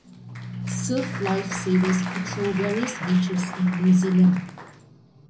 Surf Lifesavers patrol various beaches in New Zealand.